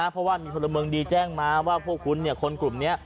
เพราะว่ามีพลเมืองดีแจ้งมาว่าพวกคุณคนกลุ่มนี้